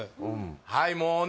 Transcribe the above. はいもうね